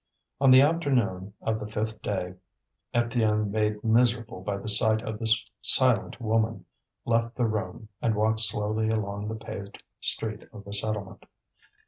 On the afternoon of the fifth day, Étienne, made miserable by the sight of this silent woman, left the room, and walked slowly along the paved street of the settlement.